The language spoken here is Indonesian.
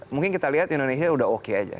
mungkin kita lihat indonesia udah oke aja